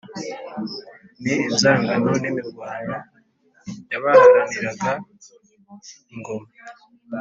ni inzangano n'imirwano y'abaharaniraga ingoma.